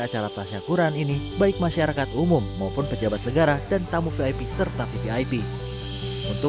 acara tasya quran ini baik masyarakat umum maupun pejabat negara dan tamu vip serta vvip untuk